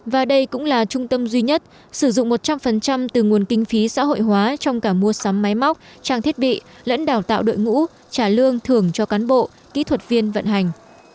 và đây cũng là trung tâm duy nhất sử dụng một trăm linh từ nguồn kinh phí xã hội hóa trong cả mua sắm máy móc trang thiết bị lẫn đào tạo đội ngũ trả lương thường cho cán bộ kỹ thuật viên vận hành